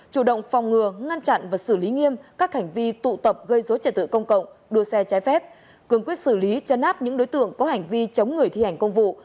chủ động phòng ngừa ngăn chặn và xử lý nghiêm các hành vi tụ tập gây dối trật tự công cộng đua xe trái phép cường quyết xử lý chân áp những đối tượng có hành vi chống người thi hành công vụ